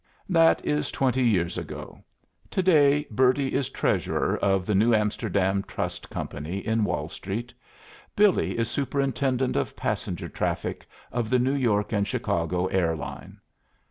That is twenty years ago, To day Bertie is treasurer of the New Amsterdam Trust Company, in Wall Street; Billy is superintendent of passenger traffic of the New York and Chicago Air Line.